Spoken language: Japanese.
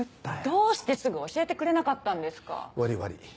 どうしてすぐ教えてくれなかったんですか⁉悪ぃ悪ぃ。